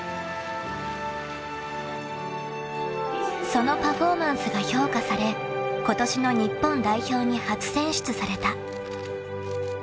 ［そのパフォーマンスが評価され今年の日本代表に初選出された］